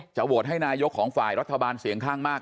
โหวตให้นายกของฝ่ายรัฐบาลเสียงข้างมาก